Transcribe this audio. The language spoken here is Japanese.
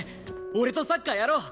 俺とサッカーやろう！